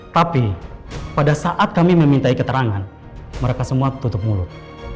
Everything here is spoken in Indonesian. tapi pada saat kami memintai keterangan mereka semua tutup mulut